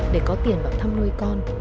để có tiền vào thăm nuôi con